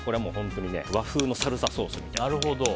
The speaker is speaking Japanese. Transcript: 和風のサルサソースみたいな。